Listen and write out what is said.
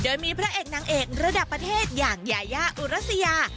โดยมีพระเอกนางเอกระดับประเทศอย่างยายาอุรัสยา